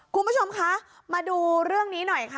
คุณผู้ชมคะมาดูเรื่องนี้หน่อยค่ะ